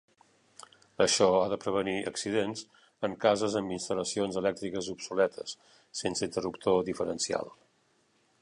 Això ha de prevenir accidents en cases amb instal·lacions elèctriques obsoletes sense interruptor diferencial.